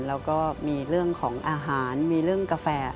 แล้วก็มีเรื่องของอาหารมีเรื่องกาแฟ